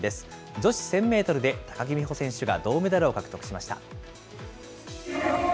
女子１０００メートルで、高木美帆選手が銅メダルを獲得しました。